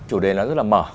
chủ đề nó rất là mở